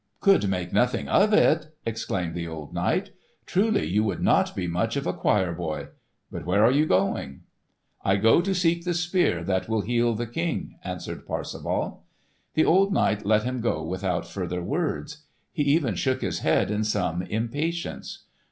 "Could make nothing of it!" exclaimed the old knight. "Truly you would not be much of a choir boy. But where are you going?" "I go to seek the Spear that will heal the King," answered Parsifal. The old knight let him go without further words. He even shook his head in some impatience.